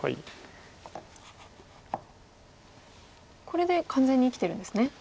これで完全に生きてるんですね。